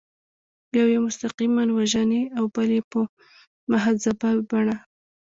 یو یې مستقیماً وژني او بل یې په مهذبه بڼه.